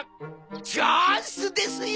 チャンスですよ！